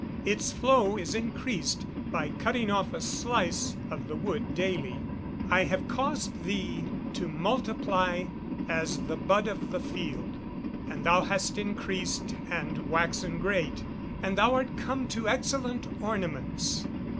Its flow is increased by cutting off a slice of the wood daily. [Verse: "I have caused thee to multiply as the bud of the field, and thou hast increased and waxen great, and thou art come to excellent ornaments."